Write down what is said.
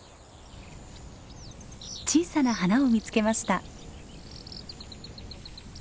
小さな花を見つけました。